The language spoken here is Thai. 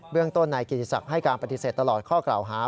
เรื่องต้นนายกิติศักดิ์ให้การปฏิเสธตลอดข้อกล่าวหา